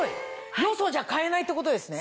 よそじゃ買えないってことですね？